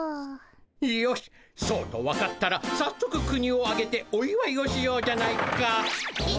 よしそうと分かったらさっそく国をあげておいわいをしようじゃないか。